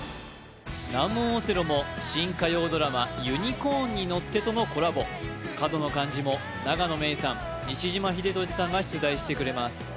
難問オセロも新火曜ドラマ「ユニコーンに乗って」とのコラボ角の漢字も永野芽郁さん西島秀俊さんが出題してくれます